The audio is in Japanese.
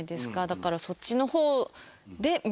だからそっちの方で。